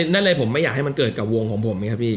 นั่นเลยผมไม่อยากให้มันเกิดกับวงของผม